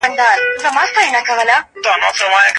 زه هیڅکله چاته زیان نه رسوم.